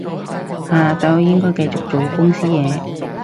下晝應該繼續做公司嘢